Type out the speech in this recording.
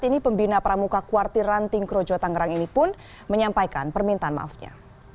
ini pembina pramuka kuartir ranting krojo tangerang ini pun menyampaikan permintaan maafnya